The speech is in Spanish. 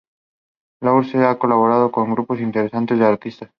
Lourdes ha colaborado con un grupo interesante de artistas.